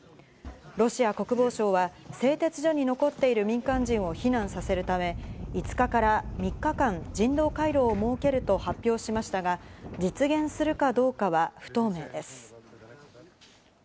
ロシア国防省は製鉄所に残っている民間人を避難させるため、５日から３日間、人道回廊を設けると発表しましたが、実現するかどうかは不透明です。